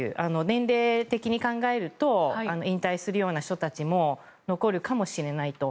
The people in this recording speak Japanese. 年齢的に考えると引退するような人たちも残るかもしれないと。